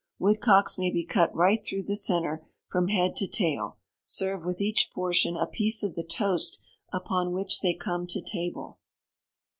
Woodcocks may be cut right through the centre, from head to tail. Serve with each portion a piece of the toast upon which they come to table.